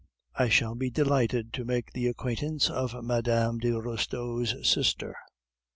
I shall be delighted to make the acquaintance of Mme. de Restaud's sister.